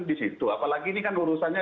di situ apalagi ini kan urusannya